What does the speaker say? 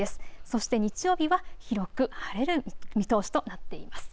そして日曜日は広く晴れる見通しとなっています。